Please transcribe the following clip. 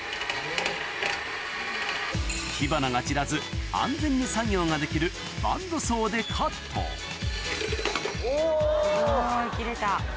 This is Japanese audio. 火花が散らず安全に作業ができるバンドソーでカットお！